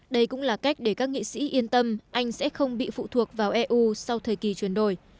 đây cũng là cách để các nghị sĩ yên tâm anh sẽ không bị phụ thuộc vào eu sau thời kỳ chuyển đổi